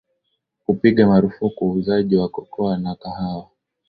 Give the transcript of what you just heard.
kupiga marufuku uuzaji wa cocoa na kahawa